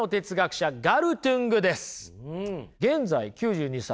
現在９２歳ね。